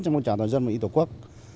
trong phong trào toàn dân và y tổ quốc